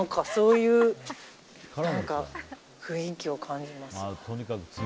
そういう雰囲気を感じます。